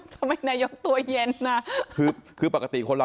ทำไมนายกตัวเย็นนะ